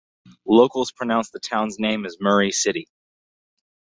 Locals pronounce the town's name as Murray City.